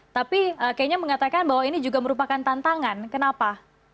tapi kayaknya mengatakan bahwa ini juga merupakan tantangan kenapa